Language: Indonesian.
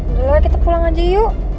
udah lah kita pulang aja yuk